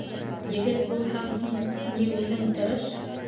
Егет булһаң һин, ни, үҙең тырыш.